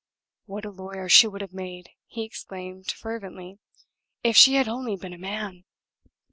"What a lawyer she would have made," he exclaimed, fervently, "if she had only been a man!"